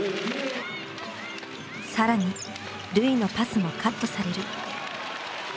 更に瑠唯のパスもカットされる。